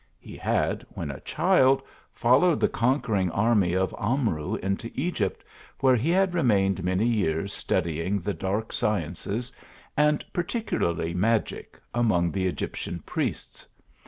He had, when a child, followed the conquering army of Amru nto Egypt, where he had remained many years studying the dark sciences, and particularly magic, among the Egyptian priests.